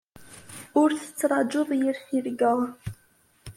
Ur tettarguḍ yir tirga.